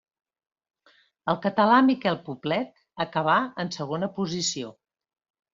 El català Miquel Poblet acabà en segona posició.